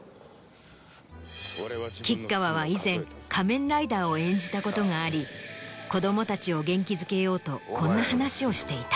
吉川は以前仮面ライダーを演じたことがあり子供たちを元気づけようとこんな話をしていた。